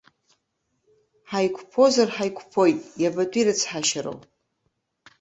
Ҳаиқәԥозар, ҳаиқәԥоит, иабатәи рыцҳашьароу.